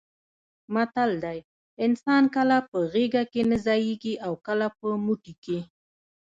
متل دی: انسان کله په غېږه کې نه ځایېږي اوکله په موټي کې.